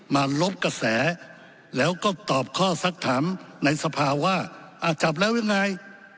มาลบกระแสแล้วก็ตอบข้อสักถามในสภาว่าจับแล้วยังไง